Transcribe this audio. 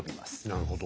なるほど。